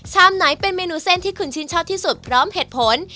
ไหนเป็นเมนูเส้นที่คุณชื่นชอบที่สุดพร้อมเหตุผล